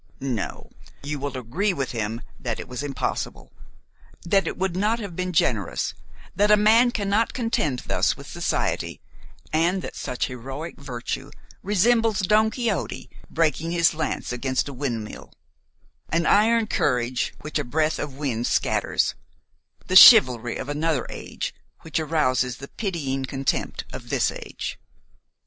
No, you will agree with him that it was impossible, that it would not have been generous, that a man cannot contend thus with society, and that such heroic virtue resembles Don Quixote breaking his lance against a windmill; an iron courage which a breath of wind scatters; the chivalry of another age which arouses the pitying contempt of this age.